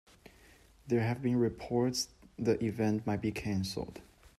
There have been reports the event might be canceled.